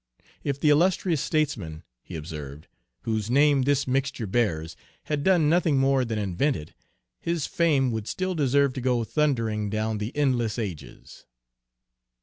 "If the illustrious statesman," he observed, "whose name this mixture bears, had done nothing more than invent it, his fame would still deserve to go thundering down the endless ages."